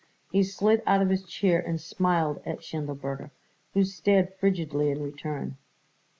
He slid out of his chair and smiled at Schindelberger, who stared frigidly in return.